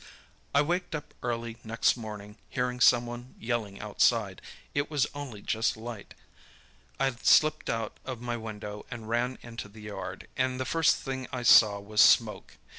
"I waked up early next morning hearing someone yelling outside. It was only just light. I slipped out of my window and ran into the yard, and the first thing I saw was smoke.